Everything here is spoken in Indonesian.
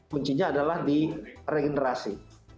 kuncinya adalah di regenerasi